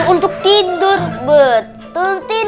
tempat tidur itu akan membuat saya berdekatan